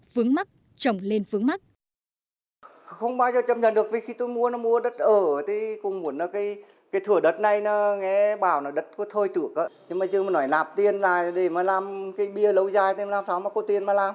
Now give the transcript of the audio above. phướng mắt trọng lên phướng mắt